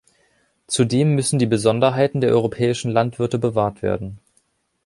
Zudem müssen die Besonderheiten der europäischen Landwirte bewahrt werden.